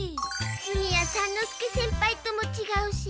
次屋三之助先輩ともちがうし。